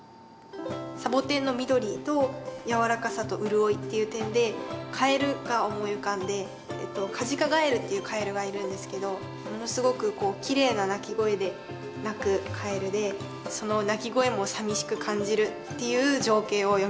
サボテンの緑とやわらかさと潤いっていう点でカエルが思い浮かんでカジカガエルっていうカエルがいるんですけどものすごくきれいな鳴き声で鳴くカエルでその鳴き声もさみしく感じるっていう情景を詠みました。